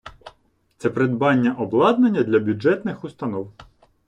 Це придбання обладнання для бюджетних установ.